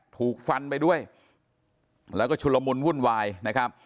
ถูกฟันไปด้วยแล้วก็ชุลมุนวุ่นวายนะครับ